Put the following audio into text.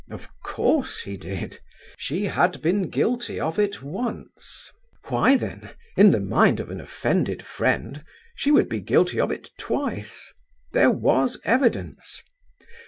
Of course he did. She had been guilty of it once: why, then, in the mind of an offended friend, she would be guilty of it twice. There was evidence.